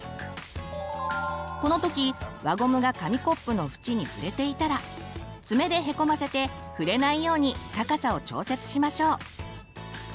この時輪ゴムが紙コップの縁に触れていたら爪でへこませて触れないように高さを調節しましょう。